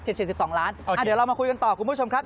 ครับผม๑๒ล้านอ่ะเดี๋ยวเรามาคุยกันต่อคุณผู้ชมครับ